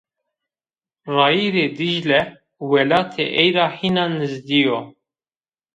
Rayîrê Dîcle welatê ey ra hîna nêzdî yo